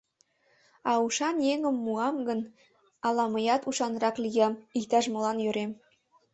А ушан еҥым муам гын, ала мыят ушанрак лиям, иктаж-молан йӧрем.